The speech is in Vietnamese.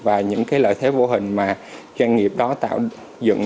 và những cái lợi thế vô hình mà doanh nghiệp đó tạo dựng